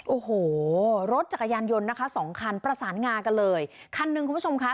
โอ้โหรถจักรยานยนต์นะคะสองคันประสานงากันเลยคันหนึ่งคุณผู้ชมค่ะ